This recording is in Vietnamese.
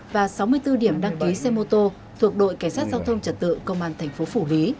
và sáu mươi bốn điểm đăng ký xe mô tô thuộc đội cảnh sát giao thông trật tự công an thành phố phủ lý